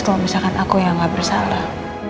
kalau misalkan aku yang gak bersalah